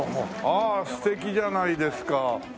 ああ素敵じゃないですか。